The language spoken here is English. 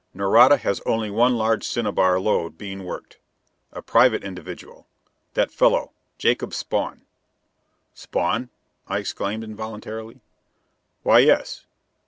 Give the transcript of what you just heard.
Nareda has only one large cinnabar lode being worked. A private individual: that fellow Jacob Spawn " "Spawn?" I exclaimed involuntarily. "Why, yes.